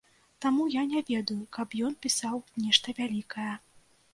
Таму я не ведаю, каб ён пісаў нешта вялікае.